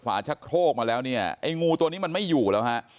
ชะโครกมาแล้วเนี่ยไอ้งูตัวนี้มันไม่อยู่แล้วฮะ